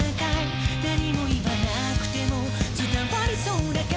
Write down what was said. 「何も言わなくても伝わりそうだから」